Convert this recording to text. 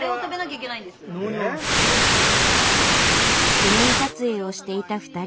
記念撮影をしていた２人。